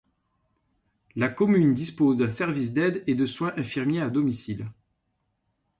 La commune dispose d'un service d'aides et de soins infirmiers à domicile.